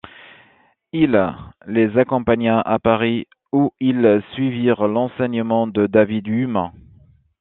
Il les accompagna à Paris où ils suivirent l'enseignement de David Hume.